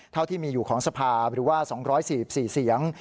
เท่าที่มีอยู่ของสภาหรือว่า๒๔๔เสียง